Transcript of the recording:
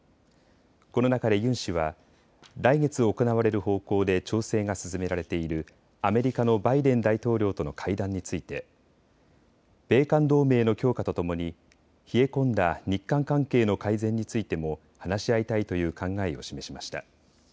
この中でユン氏は来月行われる方向で調整が進められているアメリカのバイデン大統領との会談について米韓同盟の強化とともに冷え込んだ日韓関係の改善についても話し合いたいという考えを示しました。